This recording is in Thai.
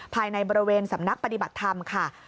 ภายในบริเวณสำนักปฏิบัติธรรมค่ะ